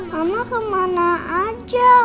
mama kemana aja